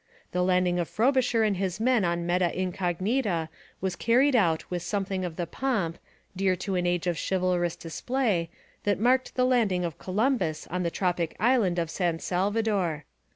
The landing of Frobisher and his men on Meta Incognita was carried out with something of the pomp, dear to an age of chivalrous display, that marked the landing of Columbus on the tropic island of San Salvador.